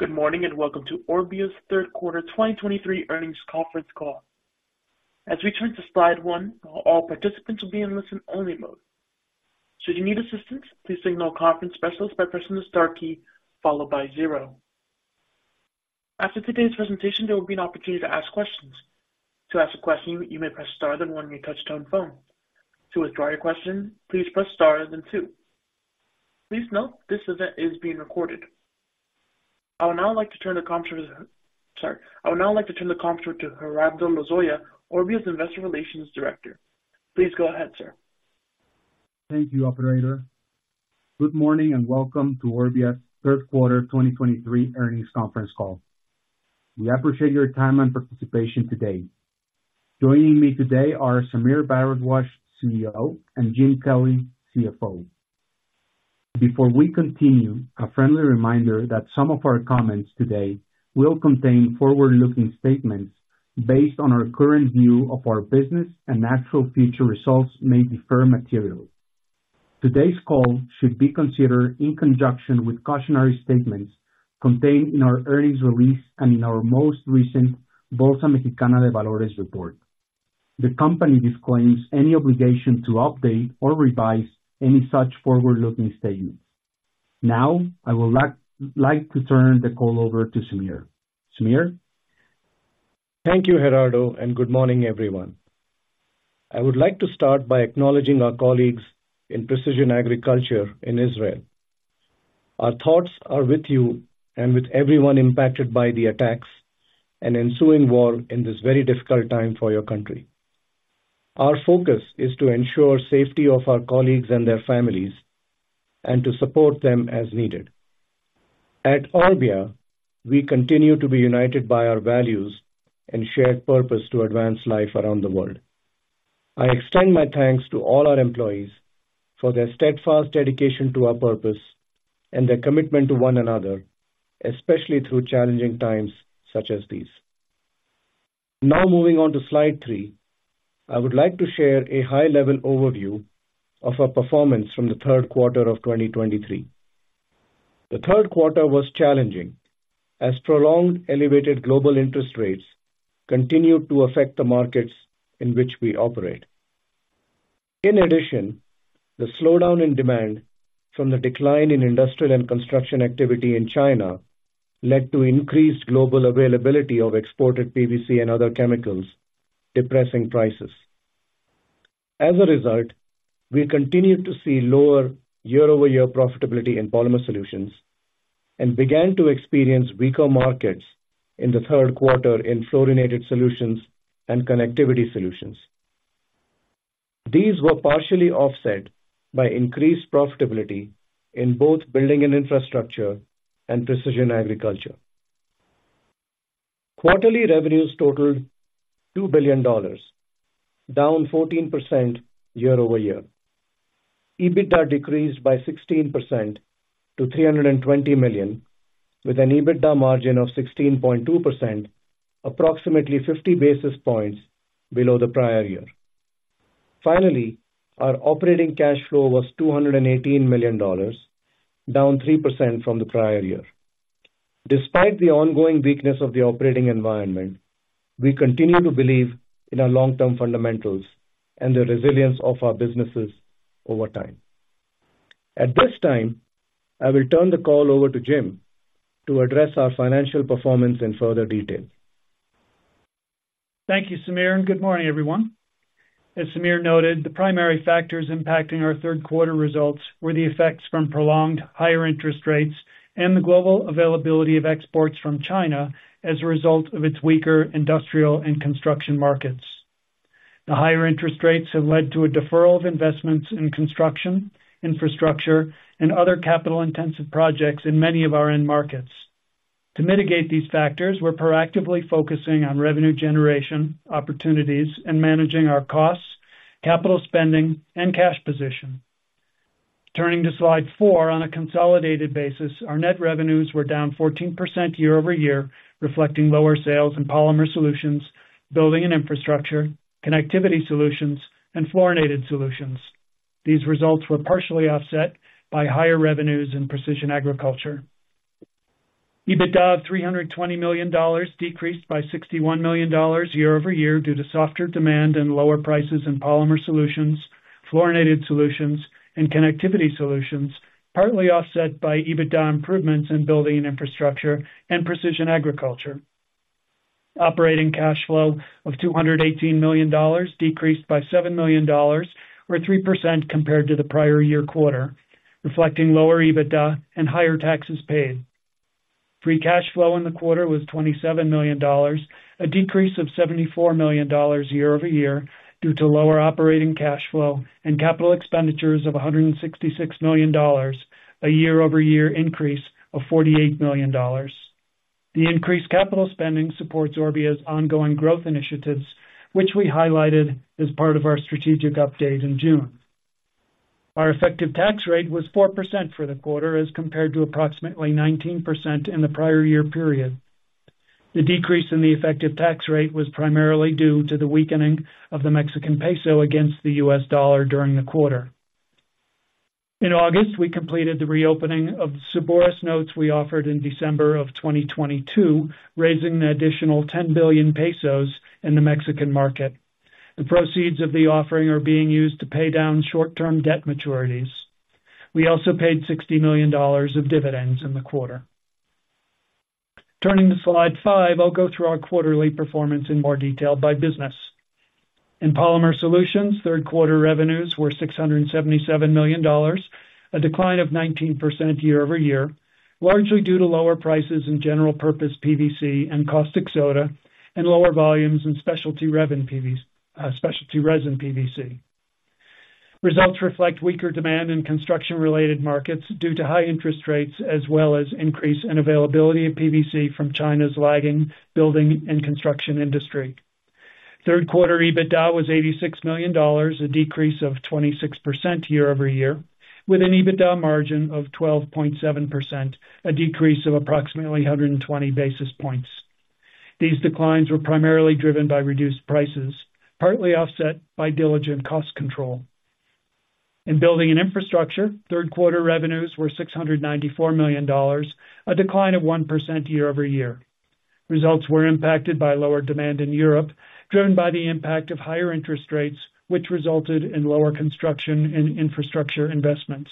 Good morning, and welcome to Orbia's third quarter 2023 earnings conference call. As we turn to slide 1, all participants will be in listen-only mode. Should you need assistance, please signal a conference specialist by pressing the star key followed by 0. After today's presentation, there will be an opportunity to ask questions. To ask a question, you may press star then 1 on your touchtone phone. To withdraw your question, please press star, then 2. Please note, this event is being recorded. I would now like to turn the conference... Sorry, I would now like to turn the conference to Gerardo Lozoya, Orbia's Investor Relations Director. Please go ahead, sir. Thank you, operator. Good morning, and welcome to Orbia's third quarter 2023 earnings conference call. We appreciate your time and participation today. Joining me today are Sameer Bharadwaj, CEO, and Jim Kelly, CFO. Before we continue, a friendly reminder that some of our comments today will contain forward-looking statements based on our current view of our business and actual future results may differ materially. Today's call should be considered in conjunction with cautionary statements contained in our earnings release and in our most recent Bolsa Mexicana de Valores report. The company disclaims any obligation to update or revise any such forward-looking statements. Now, I would like to turn the call over to Sameer. Sameer? Thank you, Gerardo, and good morning, everyone. I would like to start by acknowledging our colleagues in Precision Agriculture in Israel. Our thoughts are with you and with everyone impacted by the attacks and ensuing war in this very difficult time for your country. Our focus is to ensure safety of our colleagues and their families and to support them as needed. At Orbia, we continue to be united by our values and shared purpose to advance life around the world. I extend my thanks to all our employees for their steadfast dedication to our purpose and their commitment to one another, especially through challenging times such as these. Now moving on to slide 3, I would like to share a high-level overview of our performance from the third quarter of 2023. The third quarter was challenging as prolonged elevated global interest rates continued to affect the markets in which we operate. In addition, the slowdown in demand from the decline in industrial and construction activity in China led to increased global availability of exported PVC and other chemicals, depressing prices. As a result, we continued to see lower year-over-year profitability in Polymer Solutions and began to experience weaker markets in the third quarter in Fluorinated Solutions and Connectivity Solutions. These were partially offset by increased profitability in both Building and Infrastructure and Precision Agriculture. Quarterly revenues totaled $2 billion, down 14% year-over-year. EBITDA decreased by 16% to $320 million, with an EBITDA margin of 16.2%, approximately 50 basis points below the prior year. Finally, our operating cash flow was $218 million, down 3% from the prior year. Despite the ongoing weakness of the operating environment, we continue to believe in our long-term fundamentals and the resilience of our businesses over time. At this time, I will turn the call over to Jim to address our financial performance in further detail. Thank you, Sameer, and good morning, everyone. As Sameer noted, the primary factors impacting our third quarter results were the effects from prolonged higher interest rates and the global availability of exports from China as a result of its weaker industrial and construction markets. The higher interest rates have led to a deferral of investments in construction, infrastructure, and other capital-intensive projects in many of our end markets. To mitigate these factors, we're proactively focusing on revenue generation, opportunities, and managing our costs, capital spending, and cash position. Turning to Slide 4. On a consolidated basis, our net revenues were down 14% year-over-year, reflecting lower sales in polymer solutions, building and infrastructure, connectivity solutions, and fluorinated solutions. These results were partially offset by higher revenues in precision agriculture. EBITDA of $320 million decreased by $61 million year-over-year due to softer demand and lower prices in Polymer Solutions, Fluorinated Solutions, and Connectivity Solutions, partly offset by EBITDA improvements in Building Infrastructure and Precision Agriculture. Operating cash flow of $218 million decreased by $7 million, or 3% compared to the prior year quarter, reflecting lower EBITDA and higher taxes paid. Free cash flow in the quarter was $27 million, a decrease of $74 million year-over-year due to lower operating cash flow and capital expenditures of $166 million, a year-over-year increase of $48 million. The increased capital spending supports Orbia's ongoing growth initiatives, which we highlighted as part of our strategic update in June. Our effective tax rate was 4% for the quarter, as compared to approximately 19% in the prior year period. The decrease in the effective tax rate was primarily due to the weakening of the Mexican peso against the US dollar during the quarter. In August, we completed the reopening of the Cebures notes we offered in December of 2022, raising an additional 10 billion pesos in the Mexican market. The proceeds of the offering are being used to pay down short-term debt maturities. We also paid $60 million of dividends in the quarter. Turning to slide 5, I'll go through our quarterly performance in more detail by business. In Polymer Solutions, third quarter revenues were $677 million, a 19% decline year-over-year, largely due to lower prices in general purpose PVC and caustic soda, and lower volumes in specialty resin PVCs. Results reflect weaker demand in construction-related markets due to high interest rates, as well as increase in availability of PVC from China's lagging building and construction industry. Third quarter EBITDA was $86 million, a 26% decrease year-over-year, with an EBITDA margin of 12.7%, a decrease of approximately 120 basis points. These declines were primarily driven by reduced prices, partly offset by diligent cost control. In building and infrastructure, third quarter revenues were $694 million, a 1% decline year-over-year. Results were impacted by lower demand in Europe, driven by the impact of higher interest rates, which resulted in lower construction and infrastructure investments.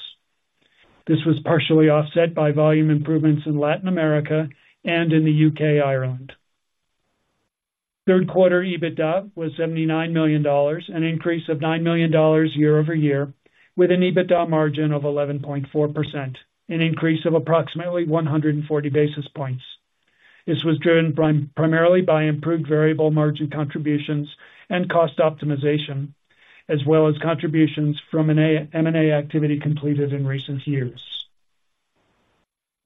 This was partially offset by volume improvements in Latin America and in the UK and Ireland. Third quarter EBITDA was $79 million, an increase of $9 million year-over-year, with an EBITDA margin of 11.4%, an increase of approximately 140 basis points. This was driven primarily by improved variable margin contributions and cost optimization, as well as contributions from M&A activity completed in recent years.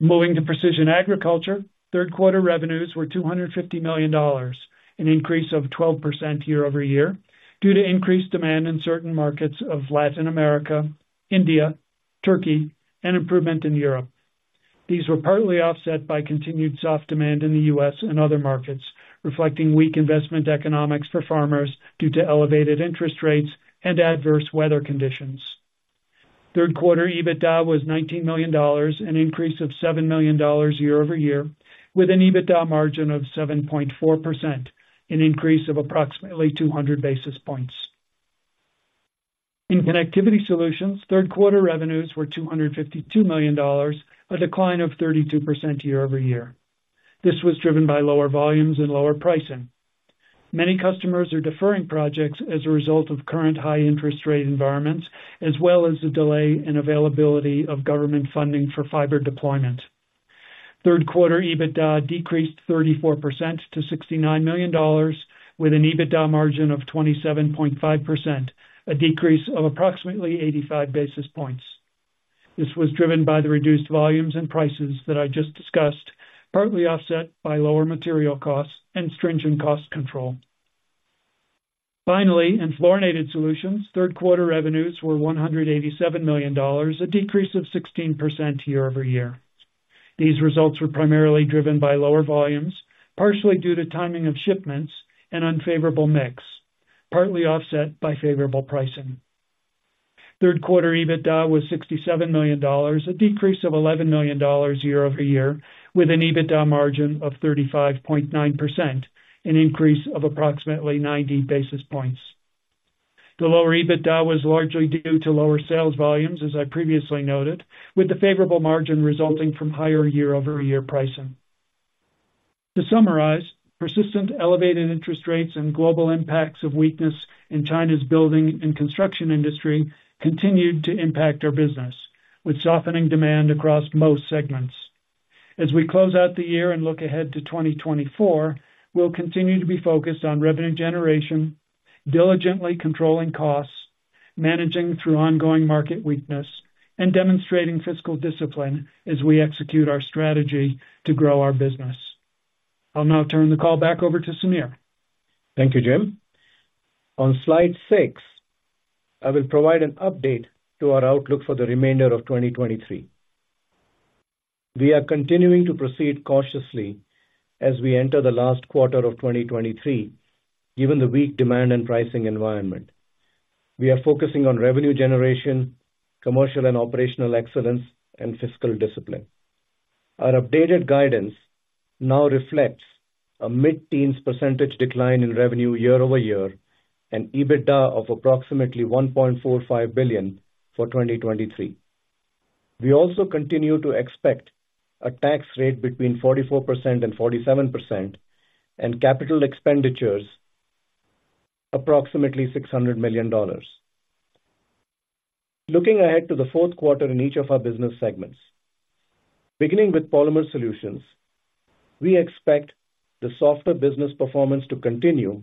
Moving to precision agriculture, third quarter revenues were $250 million, an increase of 12% year-over-year, due to increased demand in certain markets of Latin America, India, Turkey, and improvement in Europe. These were partly offset by continued soft demand in the U.S. and other markets, reflecting weak investment economics for farmers due to elevated interest rates and adverse weather conditions. Third quarter EBITDA was $19 million, an increase of $7 million year-over-year, with an EBITDA margin of 7.4%, an increase of approximately 200 basis points. In Connectivity Solutions, third quarter revenues were $252 million, a decline of 32% year-over-year. This was driven by lower volumes and lower pricing. Many customers are deferring projects as a result of current high interest rate environments, as well as the delay in availability of government funding for fiber deployment. Third quarter EBITDA decreased 34% to $69 million, with an EBITDA margin of 27.5%, a decrease of approximately 85 basis points. This was driven by the reduced volumes and prices that I just discussed, partly offset by lower material costs and stringent cost control. Finally, in Fluorinated Solutions, third quarter revenues were $187 million, a decrease of 16% year-over-year. These results were primarily driven by lower volumes, partially due to timing of shipments and unfavorable mix, partly offset by favorable pricing. Third quarter EBITDA was $67 million, a decrease of $11 million year-over-year, with an EBITDA margin of 35.9%, an increase of approximately 90 basis points. The lower EBITDA was largely due to lower sales volumes, as I previously noted, with the favorable margin resulting from higher year-over-year pricing. To summarize, persistent elevated interest rates and global impacts of weakness in China's building and construction industry continued to impact our business, with softening demand across most segments. As we close out the year and look ahead to 2024, we'll continue to be focused on revenue generation, diligently controlling costs, managing through ongoing market weakness, and demonstrating fiscal discipline as we execute our strategy to grow our business. I'll now turn the call back over to Sameer. Thank you, Jim. On slide 6, I will provide an update to our outlook for the remainder of 2023. We are continuing to proceed cautiously as we enter the last quarter of 2023, given the weak demand and pricing environment. We are focusing on revenue generation, commercial and operational excellence, and fiscal discipline. Our updated guidance now reflects a mid-teens % decline in revenue year-over-year, and EBITDA of approximately $1.45 billion for 2023. We also continue to expect a tax rate between 44% and 47%, and capital expenditures approximately $600 million. Looking ahead to the fourth quarter in each of our business segments. Beginning with Polymer Solutions, we expect the softer business performance to continue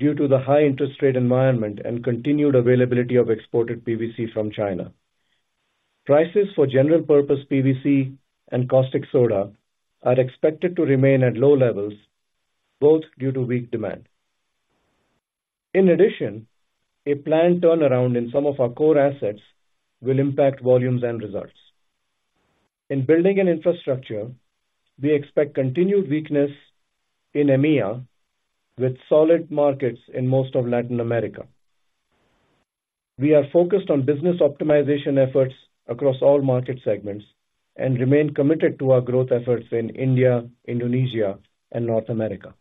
due to the high interest rate environment and continued availability of exported PVC from China. Prices for general purpose PVC and caustic soda are expected to remain at low levels, both due to weak demand. In addition, a planned turnaround in some of our core assets will impact volumes and results. In building and infrastructure, we expect continued weakness in EMEA with solid markets in most of Latin America. We are focused on business optimization efforts across all market segments and remain committed to our growth efforts in India, Indonesia, and North America.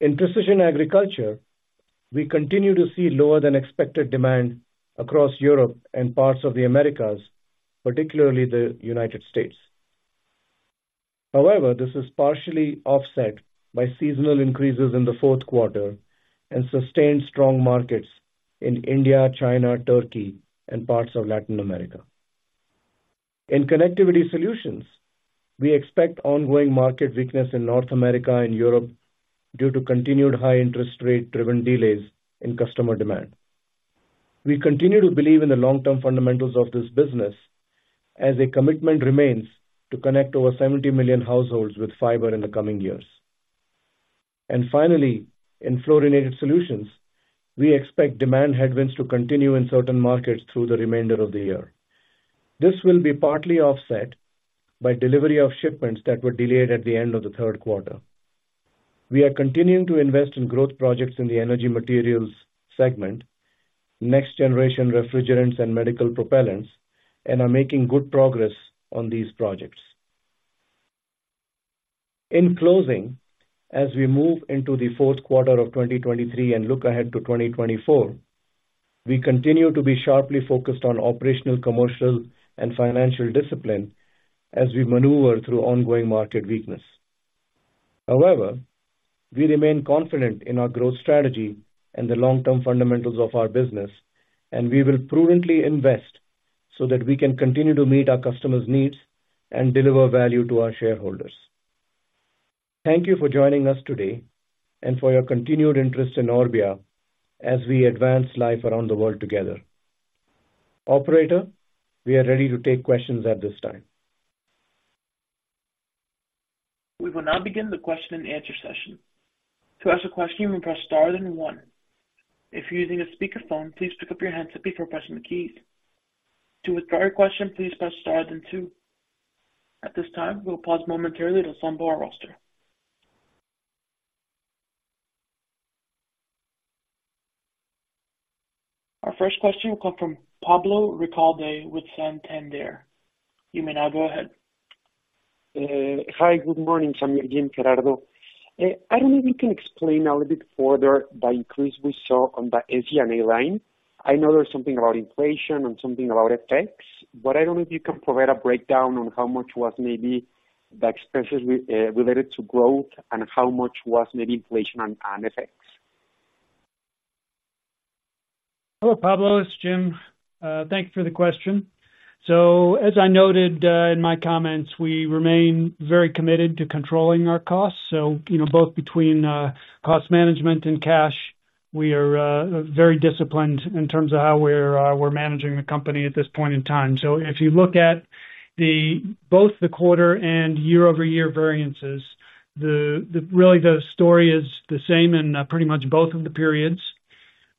In precision agriculture, we continue to see lower than expected demand across Europe and parts of the Americas, particularly the United States. However, this is partially offset by seasonal increases in the fourth quarter and sustained strong markets in India, China, Turkey, and parts of Latin America. In connectivity solutions, we expect ongoing market weakness in North America and Europe due to continued high interest rate-driven delays in customer demand. We continue to believe in the long-term fundamentals of this business, as a commitment remains to connect over 70 million households with fiber in the coming years. Finally, in fluorinated solutions, we expect demand headwinds to continue in certain markets through the remainder of the year. This will be partly offset by delivery of shipments that were delayed at the end of the third quarter. We are continuing to invest in growth projects in the energy materials segment, next generation refrigerants and medical propellants, and are making good progress on these projects. In closing, as we move into the fourth quarter of 2023 and look ahead to 2024, we continue to be sharply focused on operational, commercial, and financial discipline as we maneuver through ongoing market weakness. However, we remain confident in our growth strategy and the long-term fundamentals of our business, and we will prudently invest so that we can continue to meet our customers' needs and deliver value to our shareholders. Thank you for joining us today and for your continued interest in Orbia as we advance life around the world together. Operator, we are ready to take questions at this time. We will now begin the question and answer session. To ask a question, press star then one. If you're using a speakerphone, please pick up your handset before pressing the keys. To withdraw your question, please press star then two. At this time, we'll pause momentarily to assemble our roster. Our first question will come from Pablo Ricalde with Santander. You may now go ahead. Hi, good morning. I'm Jim Gerardo. I don't know if you can explain a little bit further the increase we saw on the SG&A line. I know there's something about inflation and something about effects, but I don't know if you can provide a breakdown on how much was maybe the expenses related to growth and how much was maybe inflation and effects. Hello, Pablo, it's Jim. Thank you for the question. So as I noted in my comments, we remain very committed to controlling our costs. So you know, both between cost management and cash, we are very disciplined in terms of how we're managing the company at this point in time. So if you look at both the quarter and year-over-year variances, the story is the same in pretty much both of the periods.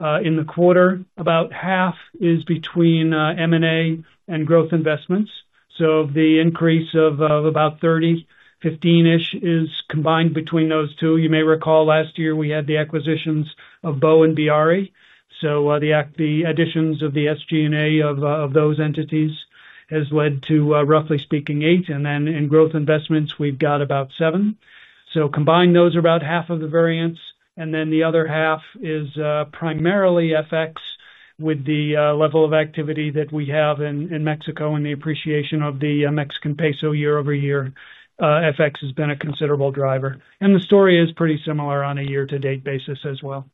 In the quarter, about half is between M&A and growth investments. So the increase of about $31.5-ish is combined between those two. You may recall last year we had the acquisitions of Bow and Biarri. So the additions of the SG&A of those entities has led to, roughly speaking, $8. And then in growth investments, we've got about 7. So combined, those are about half of the variance, and then the other half is primarily FX with the level of activity that we have in Mexico and the appreciation of the Mexican peso year-over-year. FX has been a considerable driver, and the story is pretty similar on a year-to-date basis as well.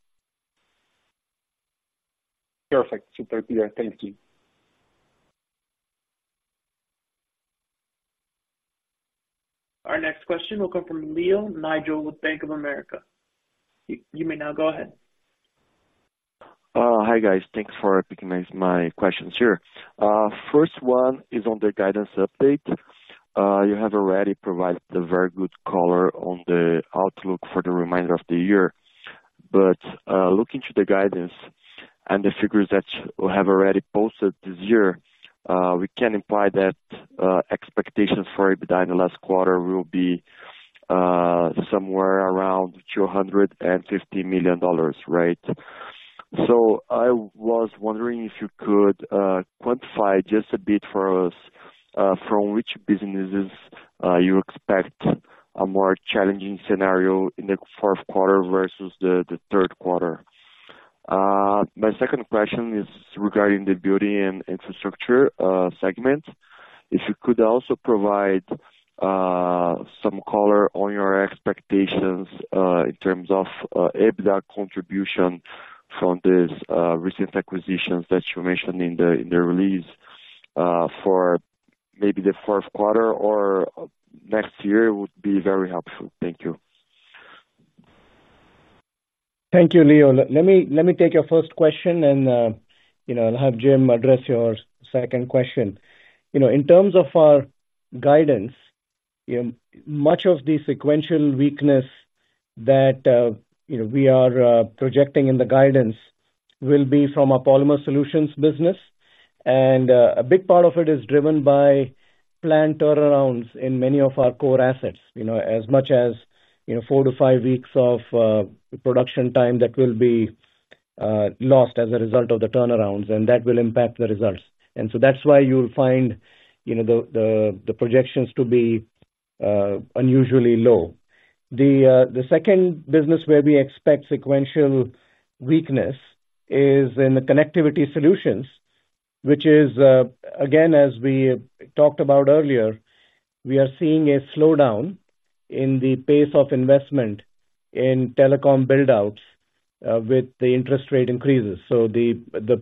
Perfect. Super clear. Thank you. Our next question will come from Leonardo Olmos with Bank of America. You may now go ahead. Hi, guys. Thanks for taking my questions here. First one is on the guidance update. You have already provided a very good color on the outlook for the remainder of the year, but looking to the guidance and the figures that you have already posted this year, we can imply that expectations for EBITDA in the last quarter will be somewhere around $250 million, right? So I was wondering if you could quantify just a bit for us, from which businesses you expect a more challenging scenario in the fourth quarter versus the third quarter. My second question is regarding the Building and Infrastructure segment. If you could also provide some color on your expectations in terms of EBITDA contribution from this recent acquisitions that you mentioned in the, in the release for maybe the fourth quarter or next year, would be very helpful. Thank you. Thank you, Leo. Let me take your first question, and, you know, I'll have Jim address your second question. You know, in terms of our guidance. Much of the sequential weakness that, you know, we are projecting in the guidance will be from our Polymer Solutions business, and a big part of it is driven by plant turnarounds in many of our core assets. You know, as much as, you know, 4-5 weeks of production time that will be lost as a result of the turnarounds, and that will impact the results. And so that's why you'll find, you know, the projections to be unusually low. The second business where we expect sequential weakness is in the Connectivity Solutions, which is, again, as we talked about earlier, we are seeing a slowdown in the pace of investment in telecom build-outs, with the interest rate increases. So the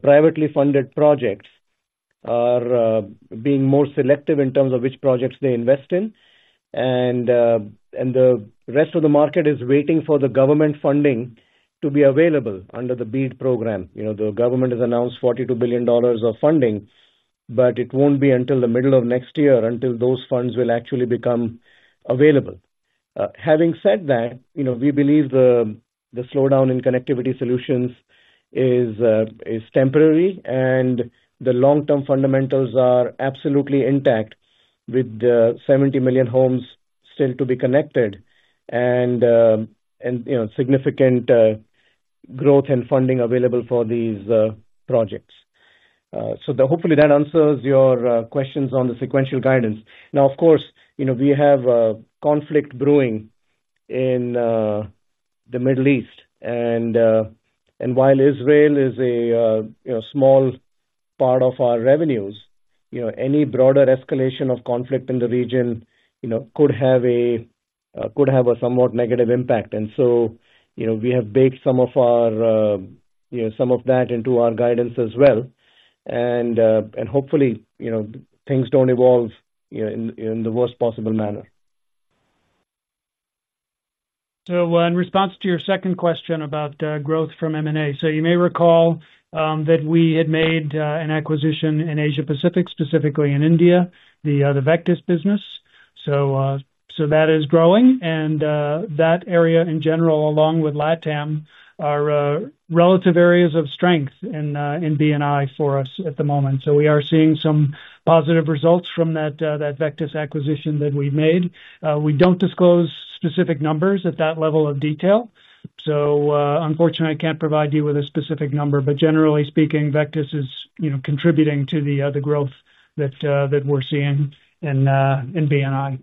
privately funded projects are being more selective in terms of which projects they invest in, and the rest of the market is waiting for the government funding to be available under the BEAD Program. You know, the government has announced $42 billion of funding, but it won't be until the middle of next year until those funds will actually become available. Having said that, you know, we believe the slowdown in Connectivity Solutions is temporary, and the long-term fundamentals are absolutely intact, with 70 million homes still to be connected and you know, significant growth and funding available for these projects. So hopefully that answers your questions on the sequential guidance. Now, of course, you know, we have a conflict brewing in the Middle East, and while Israel is a you know, small part of our revenues, you know, any broader escalation of conflict in the region, you know, could have a somewhat negative impact. And so, you know, we have baked some of that into our guidance as well. Hopefully, you know, things don't evolve, you know, in the worst possible manner. So, in response to your second question about growth from M&A. So you may recall that we had made an acquisition in Asia Pacific, specifically in India, the Vectus business. So that is growing, and that area in general, along with LATAM, are relative areas of strength in B&I for us at the moment. So we are seeing some positive results from that Vectus acquisition that we made. We don't disclose specific numbers at that level of detail, so unfortunately, I can't provide you with a specific number, but generally speaking, Vectus is, you know, contributing to the growth that we're seeing in B&I.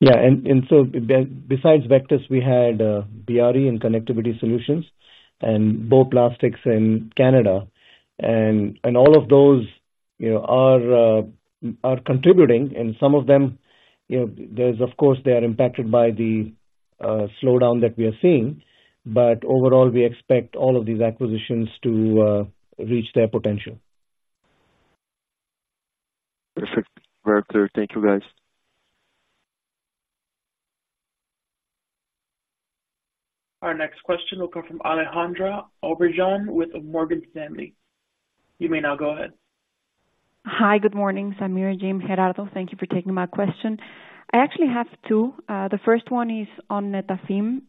Yeah, and so besides Biarri in Connectivity Solutions and Bow Plastics in Canada. And all of those, you know, are contributing and some of them, you know, there's of course they are impacted by the slowdown that we are seeing. But overall, we expect all of these acquisitions to reach their potential. Perfect. Very clear. Thank you, guys. Our next question will come from Alejandra Obregón with Morgan Stanley. You may now go ahead. Hi, good morning, Sameer, Jim, and Gerardo. Thank you for taking my question. I actually have two. The first one is on Netafim.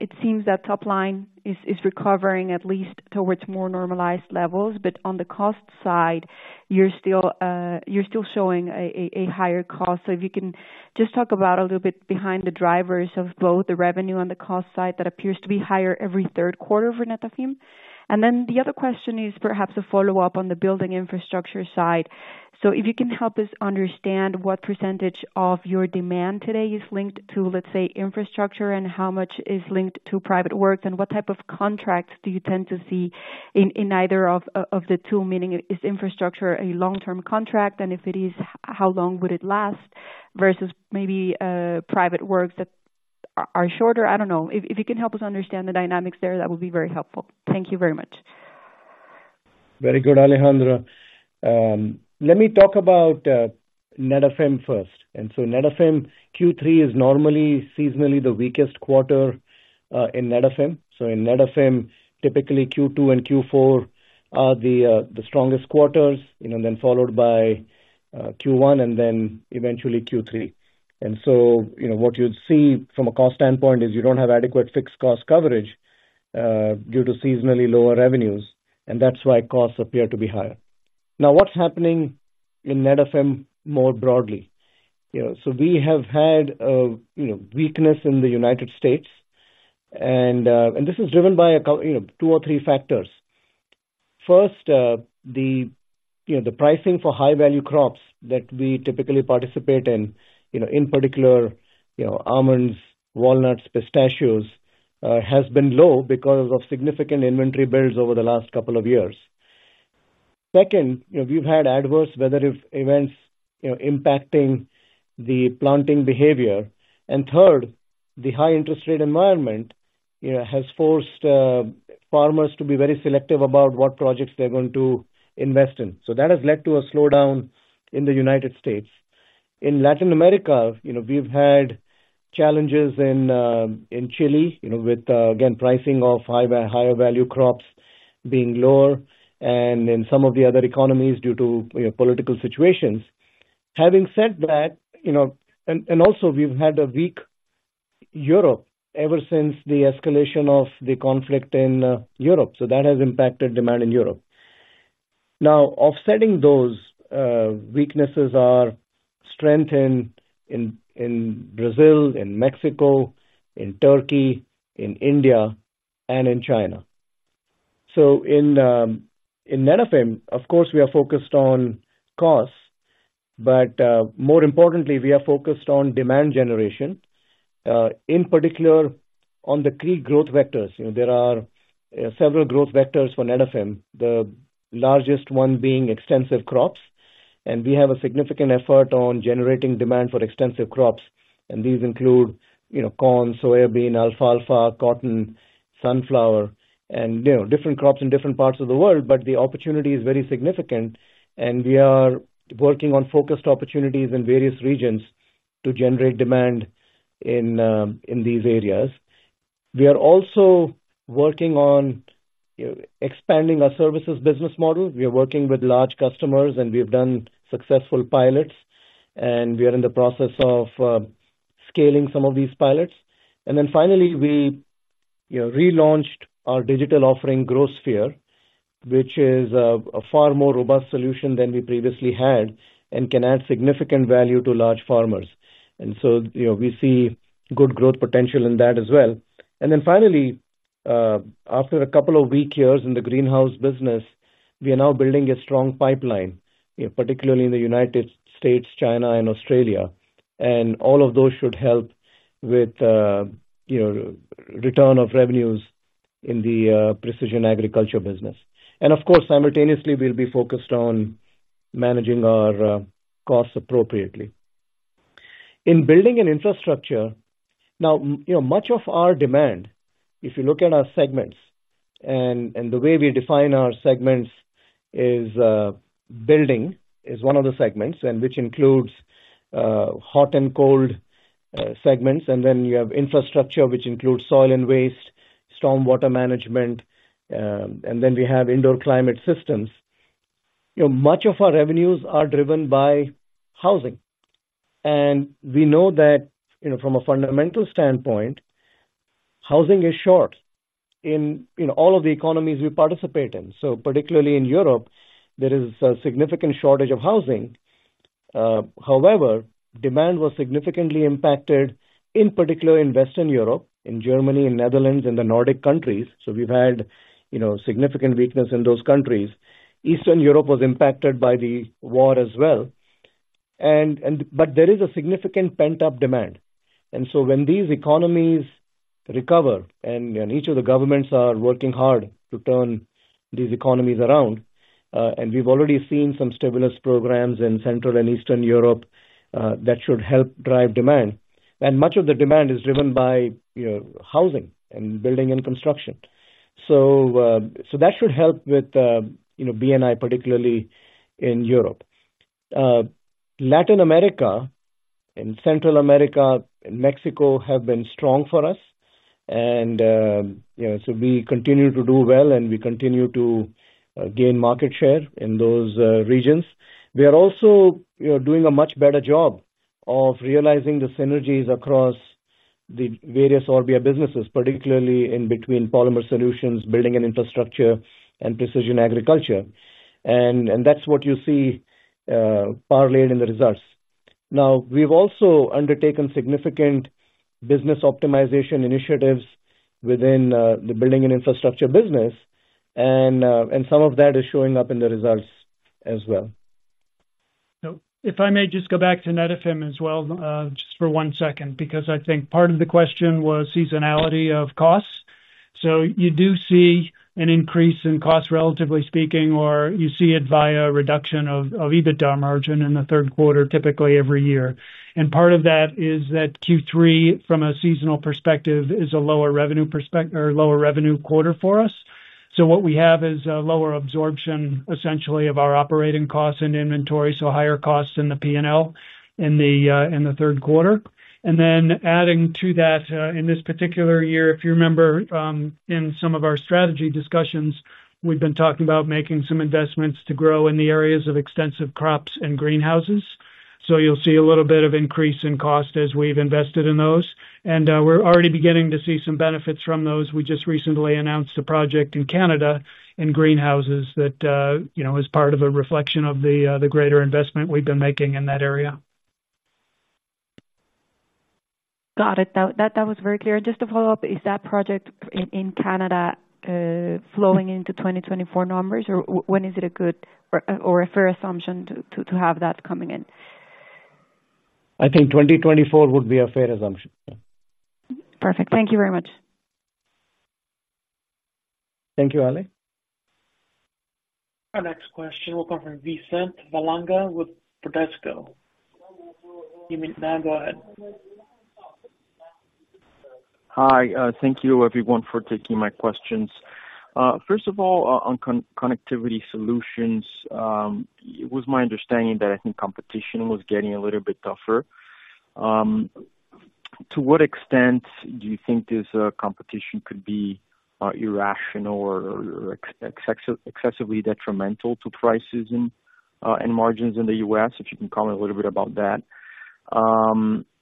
It seems that top line is recovering at least towards more normalized levels, but on the cost side, you're still showing a higher cost. So if you can just talk about a little bit behind the drivers of both the revenue and the cost side that appears to be higher every third quarter for Netafim. And then the other question is perhaps a follow-up on the Building and Infrastructure side. So if you can help us understand what percentage of your demand today is linked to, let's say, infrastructure, and how much is linked to private work, and what type of contracts do you tend to see in either of the two? Meaning, is infrastructure a long-term contract, and if it is, how long would it last versus maybe private works that are shorter? I don't know. If you can help us understand the dynamics there, that would be very helpful. Thank you very much. Very good, Alejandra. Let me talk about Netafim first. Netafim, Q3 is normally seasonally the weakest quarter in Netafim. In Netafim, typically Q2 and Q4 are the strongest quarters, you know, then followed by Q1 and then eventually Q3. What you'd see from a cost standpoint is you don't have adequate fixed cost coverage due to seasonally lower revenues, and that's why costs appear to be higher. Now, what's happening in Netafim more broadly? You know, we have had weakness in the United States, and this is driven by a couple of factors. First, you know, the pricing for high-value crops that we typically participate in, you know, in particular, you know, almonds, walnuts, pistachios, has been low because of significant inventory builds over the last couple of years. Second, you know, we've had adverse weather events, you know, impacting the planting behavior. And third, the high interest rate environment, you know, has forced farmers to be very selective about what projects they're going to invest in. So that has led to a slowdown in the United States. In Latin America, you know, we've had challenges in, in Chile, you know, with, again, pricing of high, higher value crops being lower and in some of the other economies due to, you know, political situations. Having said that, you know, and also, we've had a weak Europe, ever since the escalation of the conflict in Europe. So that has impacted demand in Europe. Now, offsetting those weaknesses are strength in Brazil, in Mexico, in Turkey, in India, and in China. So in Netafim, of course, we are focused on costs, but more importantly, we are focused on demand generation, in particular, on the key growth vectors. You know, there are several growth vectors for Netafim, the largest one being extensive crops. And we have a significant effort on generating demand for extensive crops, and these include, you know, corn, soybean, alfalfa, cotton, sunflower, and, you know, different crops in different parts of the world. But the opportunity is very significant, and we are working on focused opportunities in various regions to generate demand in these areas. We are also working on, you know, expanding our services business model. We are working with large customers, and we have done successful pilots, and we are in the process of scaling some of these pilots. And then finally, we, you know, relaunched our digital offering, GrowSphere, which is a, a far more robust solution than we previously had and can add significant value to large farmers. And so, you know, we see good growth potential in that as well. And then finally, after a couple of weak years in the greenhouse business, we are now building a strong pipeline, you know, particularly in the United States, China, and Australia. And all of those should help with, you know, return of revenues in the Precision Agriculture business. And of course, simultaneously, we'll be focused on managing our costs appropriately. In building an infrastructure... Now, you know, much of our demand, if you look at our segments, and the way we define our segments is, you know, building is one of the segments, which includes hot and cold segments, and then you have infrastructure, which includes soil and waste, storm water management, and then we have indoor climate systems. You know, much of our revenues are driven by housing. And we know that, you know, from a fundamental standpoint, housing is short in all of the economies we participate in. Particularly in Europe, there is a significant shortage of housing. However, demand was significantly impacted, in particular in Western Europe, in Germany, in Netherlands, and the Nordic countries. We've had, you know, significant weakness in those countries. Eastern Europe was impacted by the war as well. There is a significant pent-up demand. And so when these economies recover, and each of the governments are working hard to turn these economies around, and we've already seen some stimulus programs in Central and Eastern Europe, that should help drive demand. And much of the demand is driven by, you know, housing and building and construction. So, so that should help with, you know, B&I, particularly in Europe. Latin America and Central America and Mexico have been strong for us, and, you know, so we continue to do well, and we continue to gain market share in those regions. We are also doing a much better job of realizing the synergies across the various Orbia businesses, particularly in between Polymer Solutions, Building & Infrastructure, and Precision Agriculture. And that's what you see parlayed in the results. Now, we've also undertaken significant business optimization initiatives within the Building and Infrastructure business, and some of that is showing up in the results as well. So if I may just go back to Netafim as well, just for one second, because I think part of the question was seasonality of costs. So you do see an increase in costs, relatively speaking, or you see it via reduction of, of EBITDA margin in the third quarter, typically every year. And part of that is that Q3, from a seasonal perspective, is a lower revenue perspec- or lower revenue quarter for us. So what we have is a lower absorption, essentially, of our operating costs and inventory, so higher costs in the P&L in the, in the third quarter. And then adding to that, in this particular year, if you remember, in some of our strategy discussions, we've been talking about making some investments to grow in the areas of extensive crops and greenhouses. So you'll see a little bit of increase in cost as we've invested in those. And, we're already beginning to see some benefits from those. We just recently announced a project in Canada, in greenhouses, that, you know, is part of a reflection of the greater investment we've been making in that area. Got it. That, that was very clear. Just to follow up, is that project in Canada flowing into 2024 numbers, or when is it a good or a fair assumption to have that coming in? I think 2024 would be a fair assumption. Perfect. Thank you very much. Thank you, Allie. Our next question will come from Vicente Falanga with Bradesco. You may go ahead. Hi, thank you everyone for taking my questions. First of all, on Connectivity Solutions, it was my understanding that I think competition was getting a little bit tougher. To what extent do you think this competition could be irrational or excessively detrimental to prices in and margins in the US, if you can comment a little bit about that.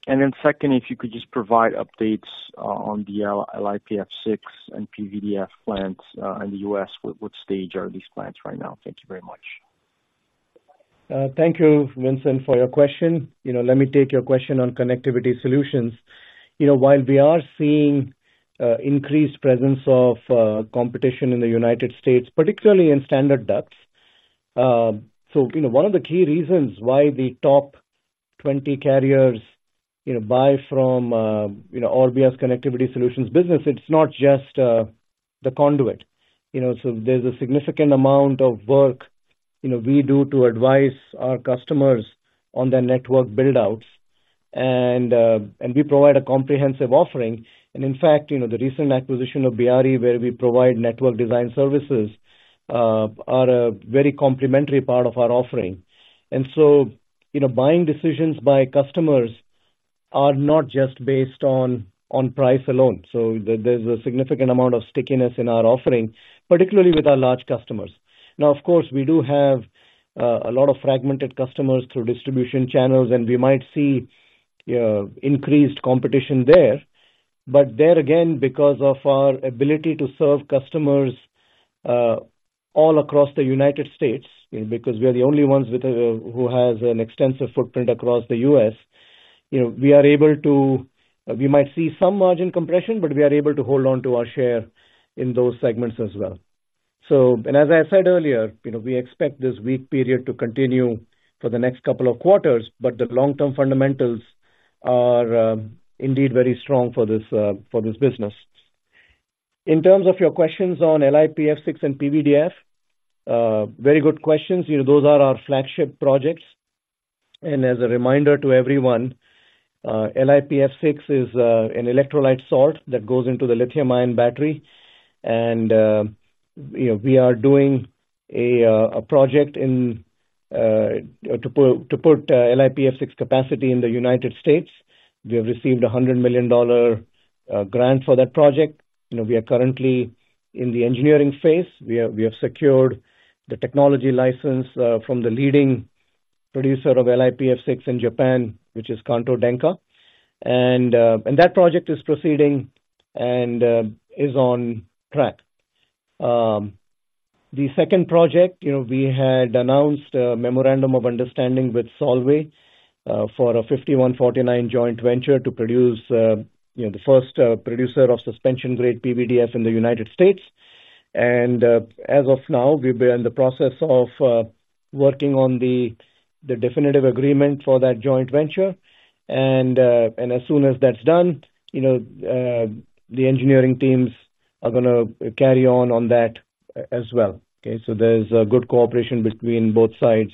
And then second, if you could just provide updates on the LiPF6 and PVDF plants in the US. What stage are these plants right now? Thank you very much. Thank you, Vicente, for your question. You know, let me take your question on Connectivity Solutions. You know, while we are seeing increased presence of competition in the United States, particularly in standard ducts. So, you know, one of the key reasons why the top 20 carriers, you know, buy from, you know, Orbia's Connectivity Solutions business, it's not just the conduit, you know. So there's a significant amount of work, you know, we do to advise our customers on their network build-outs. And and we provide a comprehensive offering. And in fact, you know, the recent acquisition of Biarri, where we provide network design services, are a very complementary part of our offering. And so, you know, buying decisions by customers are not just based on, on price alone. So there, there's a significant amount of stickiness in our offering, particularly with our large customers. Now, of course, we do have, a lot of fragmented customers through distribution channels, and we might see, increased competition there. But there again, because of our ability to serve customers, all across the United States, because we are the only ones with a -- who has an extensive footprint across the U.S., you know, we are able to... We might see some margin compression, but we are able to hold on to our share in those segments as well. So, and as I said earlier, you know, we expect this weak period to continue for the next couple of quarters, but the long-term fundamentals are, indeed very strong for this, for this business. In terms of your questions on LiPF6 and PVDF, very good questions. You know, those are our flagship projects. And as a reminder to everyone, LiPF6 is an electrolyte salt that goes into the lithium-ion battery. And, you know, we are doing a project in to put LiPF6 capacity in the United States. We have received a $100 million grant for that project. You know, we are currently in the engineering phase. We have secured the technology license from the leading producer of LiPF6 in Japan, which is Kanto Denka Kogyo. And that project is proceeding and is on track. The second project, you know, we had announced a memorandum of understanding with Solvay for a 51-49 joint venture to produce, you know, the first producer of suspension-grade PVDF in the United States. As of now, we've been in the process of working on the definitive agreement for that joint venture. And as soon as that's done, you know, the engineering teams are gonna carry on on that as well, okay? So there's a good cooperation between both sides,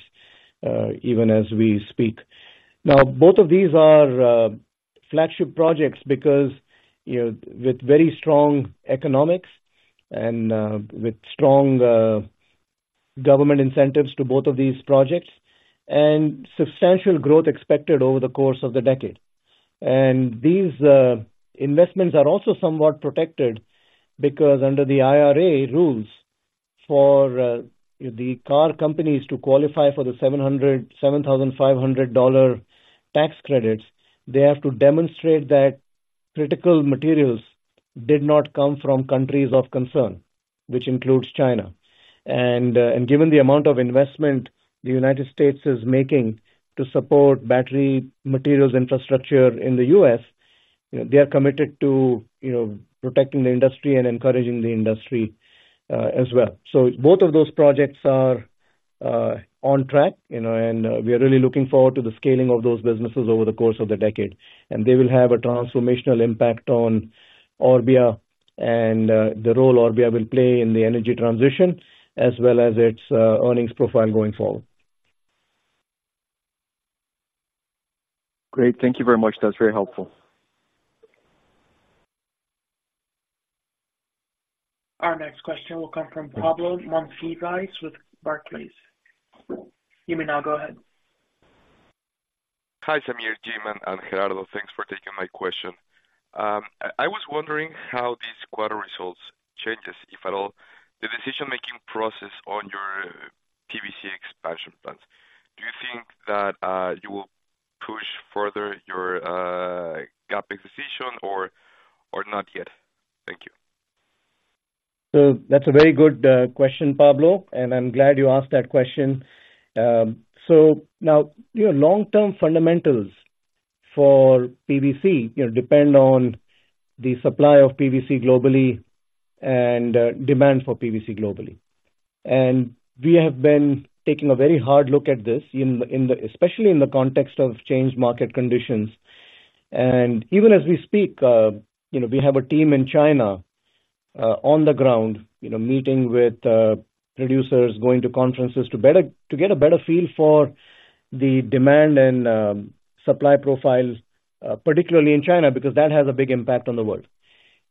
even as we speak. Now, both of these are flagship projects because, you know, with very strong economics and with strong government incentives to both of these projects, and substantial growth expected over the course of the decade. And these investments are also somewhat protected because under the IRA rules, for the car companies to qualify for the $7,500 tax credits, they have to demonstrate that critical materials did not come from countries of concern, which includes China. And given the amount of investment the United States is making to support battery materials infrastructure in the U.S., you know, they are committed to, you know, protecting the industry and encouraging the industry, as well. So both of those projects are on track, you know, and we are really looking forward to the scaling of those businesses over the course of the decade. And they will have a transformational impact on Orbia and the role Orbia will play in the energy transition, as well as its earnings profile going forward. Great. Thank you very much. That was very helpful. Our next question will come from Pablo Monsivais with Barclays. You may now go ahead. Hi, Sameer, Jim, and Gerardo. Thanks for taking my question. I was wondering how these quarter results changes, if at all, the decision-making process on your PVC expansion plans. Do you think that you will push further your capex execution or not yet? Thank you. So that's a very good question, Pablo, and I'm glad you asked that question. So now, you know, long-term fundamentals for PVC, you know, depend on the supply of PVC globally and demand for PVC globally. We have been taking a very hard look at this, especially in the context of changed market conditions. Even as we speak, you know, we have a team in China on the ground, you know, meeting with producers, going to conferences to get a better feel for the demand and supply profiles, particularly in China, because that has a big impact on the world.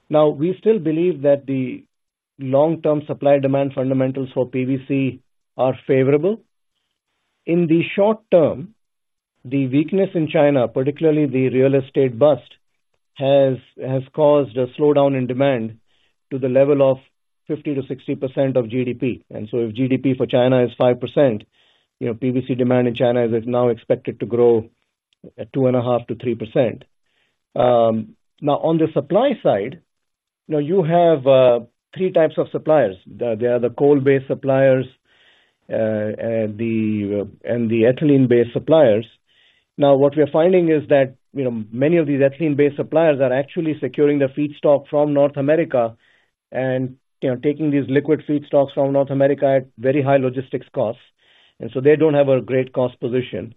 Now, we still believe that the long-term supply-demand fundamentals for PVC are favorable. In the short term, the weakness in China, particularly the real estate bust, has caused a slowdown in demand to the level of 50%-60% of GDP. And so if GDP for China is 5%, you know, PVC demand in China is now expected to grow at 2.5%-3%. Now, on the supply side, you know, you have three types of suppliers. There are the coal-based suppliers and the ethylene-based suppliers. Now, what we are finding is that, you know, many of these ethylene-based suppliers are actually securing their feedstock from North America and, you know, taking these liquid feedstocks from North America at very high logistics costs, and so they don't have a great cost position.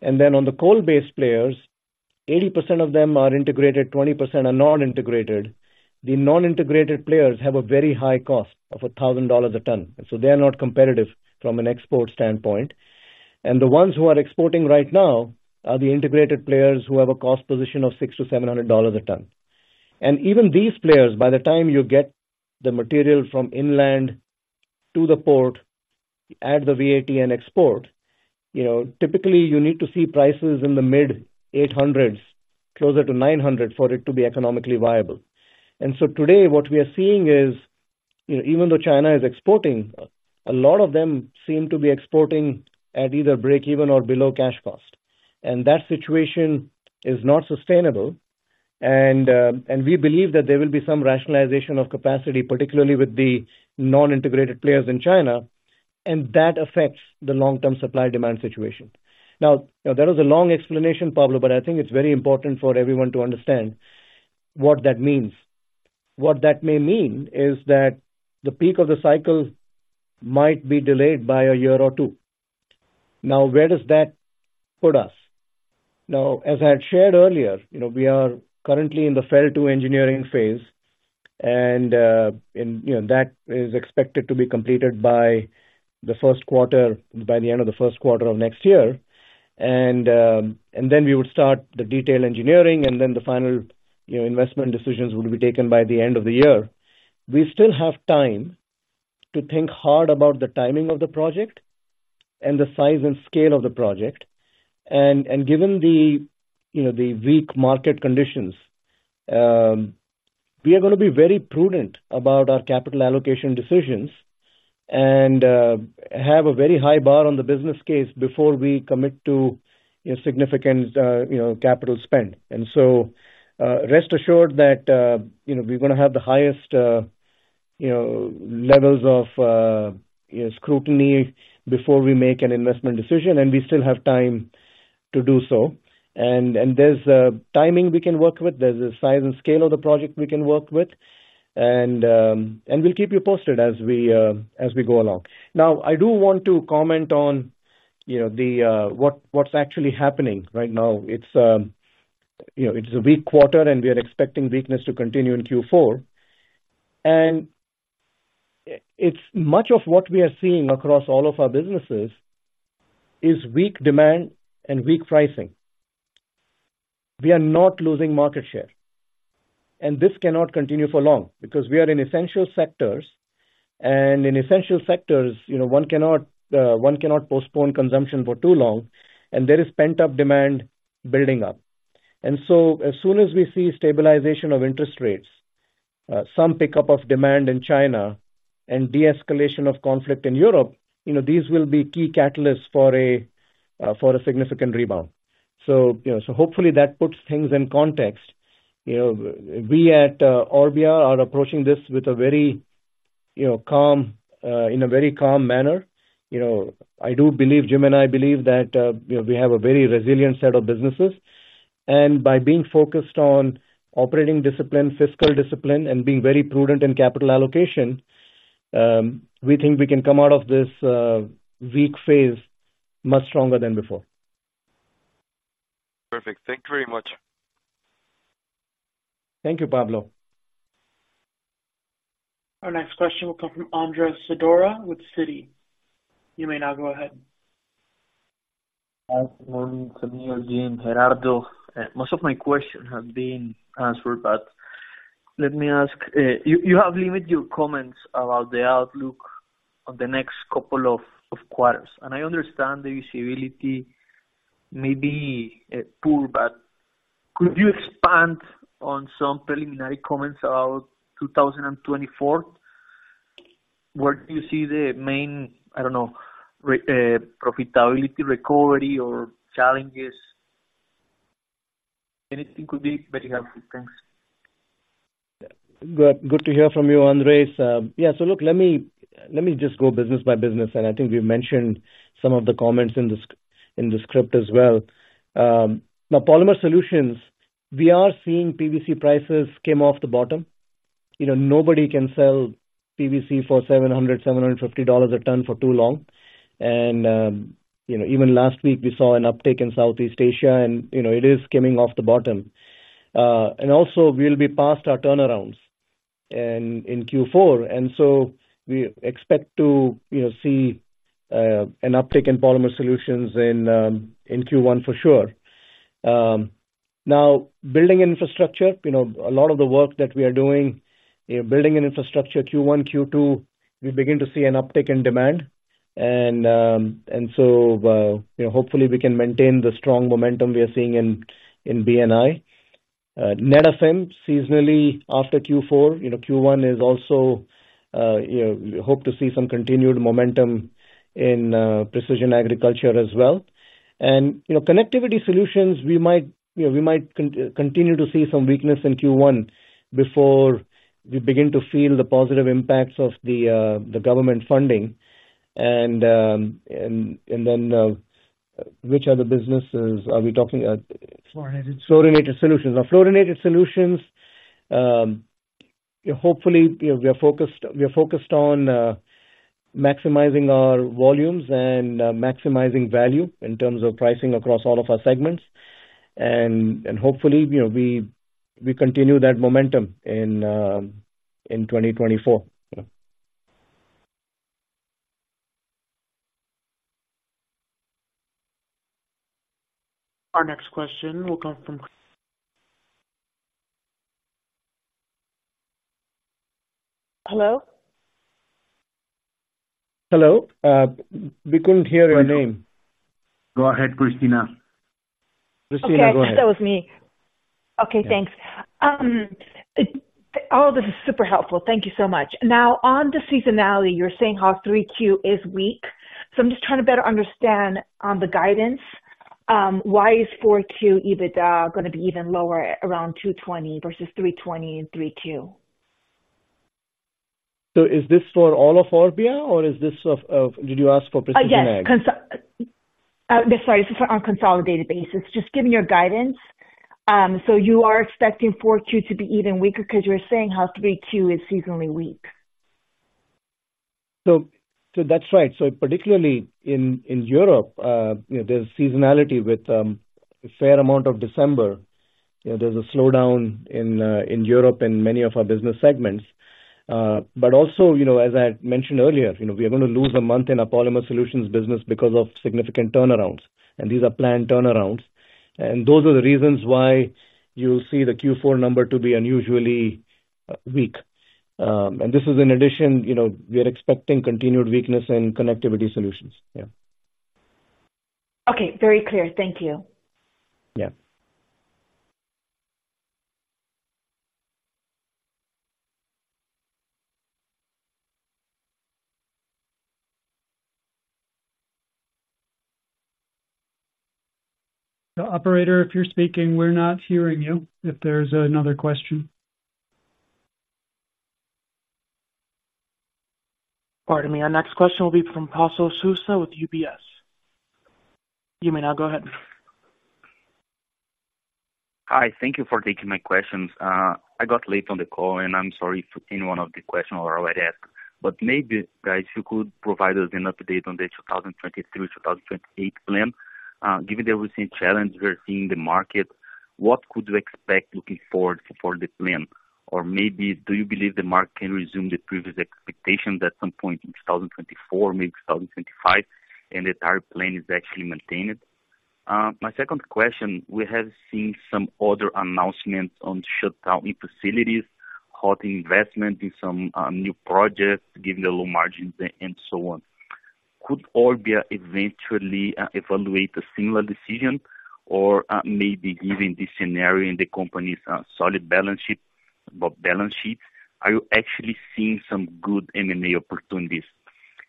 And then on the coal-based players, 80% of them are integrated, 20% are non-integrated. The non-integrated players have a very high cost of $1,000 a ton, and so they are not competitive from an export standpoint. The ones who are exporting right now are the integrated players who have a cost position of $600-$700 a ton. Even these players, by the time you get the material from inland to the port, add the VAT and export, you know, typically you need to see prices in the mid-800s, closer to $900, for it to be economically viable. Today what we are seeing is, you know, even though China is exporting, a lot of them seem to be exporting at either breakeven or below cash cost. That situation is not sustainable, and we believe that there will be some rationalization of capacity, particularly with the non-integrated players in China, and that affects the long-term supply-demand situation. Now, that was a long explanation, Pablo, but I think it's very important for everyone to understand what that means. What that may mean is that the peak of the cycle might be delayed by a year or two. Now, where does that put us? Now, as I had shared earlier, you know, we are currently in the FEED-2 engineering phase, and, you know, that is expected to be completed by the first quarter, by the end of the first quarter of next year. And then we would start the detail engineering, and then the final, you know, investment decisions will be taken by the end of the year. We still have time to think hard about the timing of the project and the size and scale of the project. Given the, you know, the weak market conditions, we are gonna be very prudent about our capital allocation decisions and have a very high bar on the business case before we commit to a significant, you know, capital spend. So, rest assured that, you know, we're gonna have the highest, you know, levels of, you know, scrutiny before we make an investment decision, and we still have time to do so. And there's a timing we can work with, there's a size and scale of the project we can work with, and we'll keep you posted as we go along. Now, I do want to comment on, you know, what's actually happening right now. It's, you know, it's a weak quarter, and we are expecting weakness to continue in Q4. And it's much of what we are seeing across all of our businesses is weak demand and weak pricing. We are not losing market share, and this cannot continue for long because we are in essential sectors, and in essential sectors, you know, one cannot postpone consumption for too long, and there is pent-up demand building up. And so as soon as we see stabilization of interest rates, some pickup of demand in China and de-escalation of conflict in Europe, you know, these will be key catalysts for a significant rebound. So, you know, hopefully that puts things in context. You know, we at Orbia are approaching this with a very, you know, calm, in a very calm manner. You know, I do believe, Jim and I believe that, you know, we have a very resilient set of businesses. And by being focused on operating discipline, fiscal discipline, and being very prudent in capital allocation, we think we can come out of this, weak phase much stronger than before. Perfect. Thank you very much. Thank you, Pablo. Our next question will come from Andrés Cardona with Citi. You may now go ahead. Good morning to you, Jim, Gerardo. Most of my questions have been answered, but let me ask, you have limited your comments about the outlook on the next couple of quarters, and I understand the visibility may be poor, but could you expand on some preliminary comments about 2024? Where do you see the main, I don't know, profitability, recovery or challenges? Anything could be very helpful. Thanks. Good, good to hear from you, Andres. Yeah, so look, let me, let me just go business by business, and I think we've mentioned some of the comments in the script as well. Now, Polymer Solutions, we are seeing PVC prices came off the bottom. You know, nobody can sell PVC for $700-$750 a ton for too long. And, you know, even last week we saw an uptick in Southeast Asia and, you know, it is coming off the bottom. And also we'll be past our turnarounds in Q4, and so we expect to, you know, see an uptick in Polymer Solutions in Q1 for sure. Now, Building and Infrastructure, you know, a lot of the work that we are doing in Building and Infrastructure, Q1, Q2, we begin to see an uptick in demand. And so, you know, hopefully we can maintain the strong momentum we are seeing in B&I. Netafim, seasonally after Q4, you know, Q1 is also, you know, we hope to see some continued momentum in Precision Agriculture as well. And, you know, Connectivity Solutions, we might, you know, we might continue to see some weakness in Q1 before we begin to feel the positive impacts of the government funding. And then, which other businesses are we talking about? Fluorinated. Fluorinated Solutions. Now, Fluorinated Solutions, hopefully, you know, we are focused on maximizing our volumes and maximizing value in terms of pricing across all of our segments. And hopefully, you know, we continue that momentum in 2024. Our next question will come from- Hello? Hello. We couldn't hear your name. Go ahead, Christina. Christina, go ahead. Okay, I think that was me. Okay, thanks. All this is super helpful. Thank you so much. Now, on the seasonality, you're saying how 3Q is weak, so I'm just trying to better understand on the guidance, why is 4Q EBITDA gonna be even lower at around $220 versus $320 in 3Q? So is this for all of Orbia, or is this of...? Did you ask for precision? Yes. Sorry, this is on consolidated basis. Just given your guidance, so you are expecting Q4 to be even weaker because you're saying how Q3 is seasonally weak. So that's right. So particularly in Europe, you know, there's seasonality with a fair amount of December. You know, there's a slowdown in Europe and many of our business segments. But also, you know, as I had mentioned earlier, you know, we are gonna lose a month in our Polymer Solutions business because of significant turnarounds, and these are planned turnarounds. And those are the reasons why you see the Q4 number to be unusually weak. And this is in addition, you know, we are expecting continued weakness in Connectivity Solutions. Yeah. Okay. Very clear. Thank you. Yeah. The operator, if you're speaking, we're not hearing you. If there's another question. Pardon me. Our next question will be from Tasso Vasconcellos with UBS. You may now go ahead. Hi. Thank you for taking my questions. I got late on the call, and I'm sorry if any one of the questions were already asked. But maybe, guys, you could provide us an update on the 2023 to 2028 plan. Given the recent challenge we're seeing in the market, what could you expect looking forward for the plan? Or maybe do you believe the market can resume the previous expectations at some point in 2024, maybe 2025, and the entire plan is actually maintained? My second question: we have seen some other announcements on shutdown in facilities, halting investment in some new projects, given the low margins and so on. Could Orbia eventually evaluate a similar decision? Or, maybe given the scenario and the company's solid balance sheet, are you actually seeing some good M&A opportunities?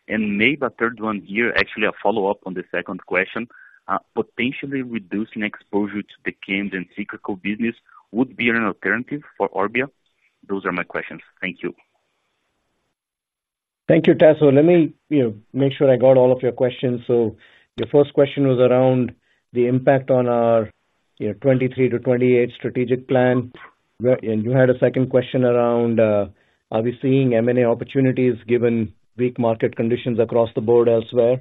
And maybe a third one here, actually, a follow-up on the second question, potentially reducing exposure to the chemical and cyclical business, would be an alternative for Orbia? Those are my questions. Thank you. Thank you, Tasso. Let me, you know, make sure I got all of your questions. So your first question was around the impact on our, you know, 2023-2028 strategic plan. And you had a second question around, are we seeing M&A opportunities given weak market conditions across the board as well?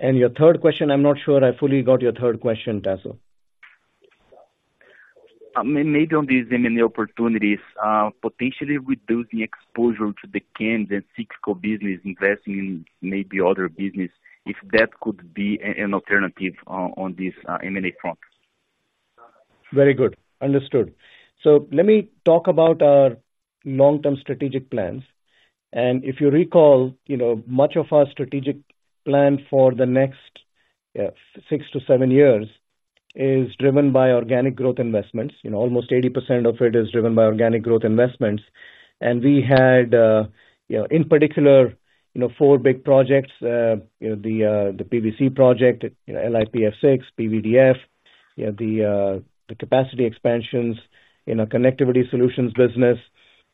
And your third question, I'm not sure I fully got your third question, Tasso. Maybe on these M&A opportunities, potentially reducing exposure to the chemical and cyclical business, investing in maybe other business, if that could be an alternative on this M&A front. Very good. Understood. So let me talk about our long-term strategic plans. And if you recall, you know, much of our strategic plan for the next, 6-7 years is driven by organic growth investments. You know, almost 80% of it is driven by organic growth investments. And we had, you know, in particular, you know, 4 big projects, you know, the, the PVC project, LiPF6, PVDF, you know, the, the capacity expansions in our connectivity solutions business,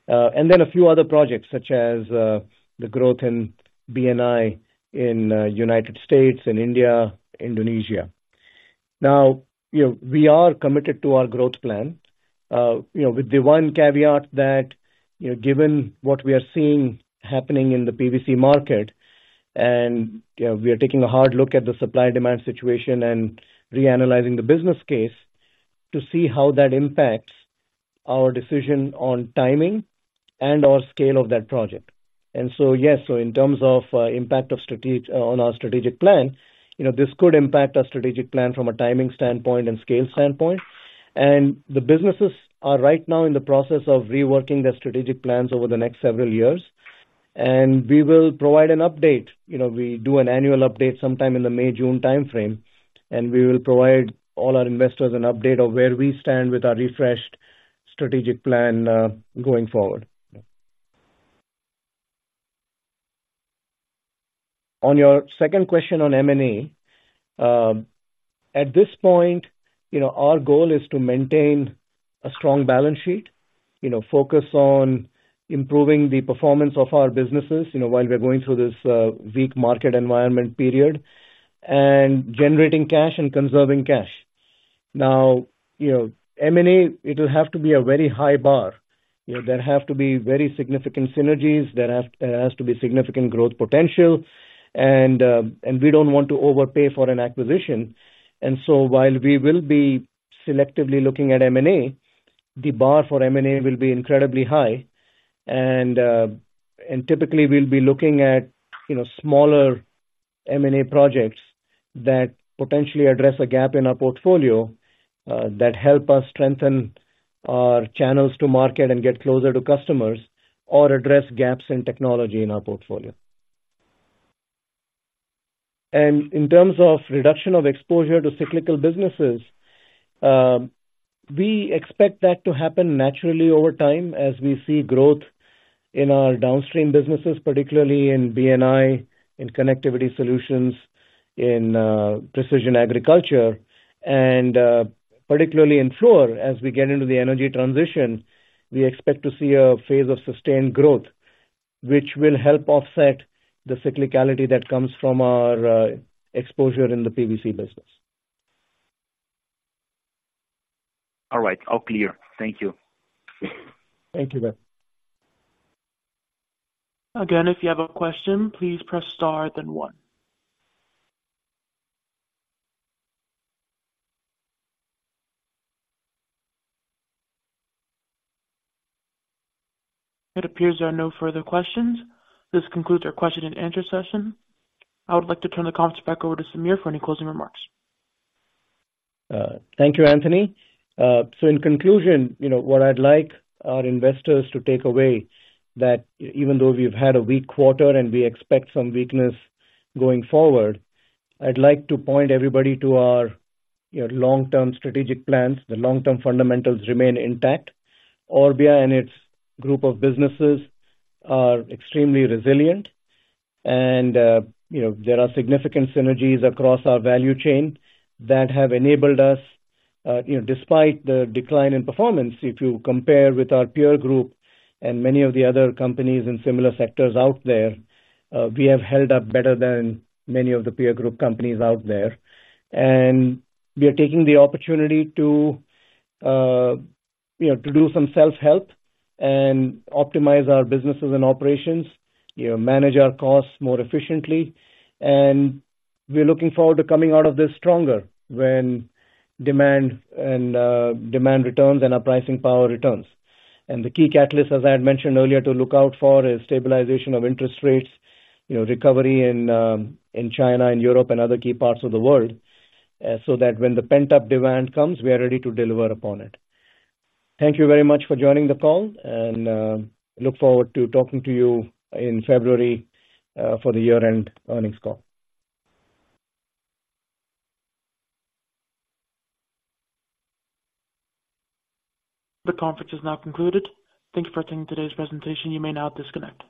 and then a few other projects such as, the growth in Biarri in, United States, in India, Indonesia. Now, you know, we are committed to our growth plan, you know, with the one caveat that, you know, given what we are seeing happening in the PVC market, and, you know, we are taking a hard look at the supply-demand situation and reanalyzing the business case to see how that impacts our decision on timing and or scale of that project. And so, yes, so in terms of impact of strategic, on our strategic plan, you know, this could impact our strategic plan from a timing standpoint and scale standpoint. And the businesses are right now in the process of reworking their strategic plans over the next several years. And we will provide an update. You know, we do an annual update sometime in the May, June time frame, and we will provide all our investors an update of where we stand with our refreshed strategic plan, going forward. On your second question on M&A, at this point, you know, our goal is to maintain a strong balance sheet. You know, focus on improving the performance of our businesses, you know, while we are going through this, weak market environment period, and generating cash and conserving cash. Now, you know, M&A, it will have to be a very high bar. You know, there have to be very significant synergies. There has to be significant growth potential, and, and we don't want to overpay for an acquisition. And so while we will be selectively looking at M&A, the bar for M&A will be incredibly high. And typically we'll be looking at, you know, smaller M&A projects that potentially address a gap in our portfolio, that help us strengthen our channels to market and get closer to customers or address gaps in technology in our portfolio. And in terms of reduction of exposure to cyclical businesses, we expect that to happen naturally over time as we see growth in our downstream businesses, particularly in B&I, in Connectivity Solutions, in precision agriculture, and particularly in Fluor. As we get into the energy transition, we expect to see a phase of sustained growth, which will help offset the cyclicality that comes from our exposure in the PVC business. All right. All clear. Thank you. Thank you, Ben. Again, if you have a question, please press star, then one. It appears there are no further questions. This concludes our question and answer session. I would like to turn the conference back over to Sameer for any closing remarks. Thank you, Anthony. So in conclusion, you know, what I'd like our investors to take away, that even though we've had a weak quarter and we expect some weakness going forward, I'd like to point everybody to our, you know, long-term strategic plans. The long-term fundamentals remain intact. Orbia and its group of businesses are extremely resilient and, you know, there are significant synergies across our value chain that have enabled us, you know, despite the decline in performance, if you compare with our peer group and many of the other companies in similar sectors out there, we have held up better than many of the peer group companies out there. And we are taking the opportunity to, you know, to do some self-help and optimize our businesses and operations, you know, manage our costs more efficiently. We are looking forward to coming out of this stronger when demand and demand returns and our pricing power returns. And the key catalyst, as I had mentioned earlier, to look out for, is stabilization of interest rates, you know, recovery in in China and Europe and other key parts of the world. So that when the pent-up demand comes, we are ready to deliver upon it. Thank you very much for joining the call, and look forward to talking to you in February, for the year-end earnings call. The conference is now concluded. Thank you for attending today's presentation. You may now disconnect.